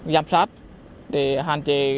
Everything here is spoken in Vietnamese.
giám sát để hạn chế